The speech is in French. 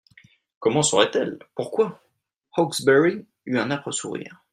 Comment saurait-elle ?… Pourquoi ?…» Hawksbury eut un âpre sourire.